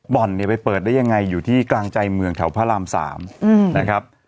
บ่อนเนี่ยไปเปิดได้ยังไงอยู่ที่กลางใจเมืองแถวพระราม๓นะครับ